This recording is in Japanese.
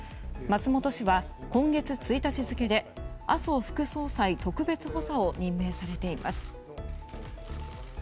松本氏は今月１日付で麻生副総裁特別補佐を任命されています。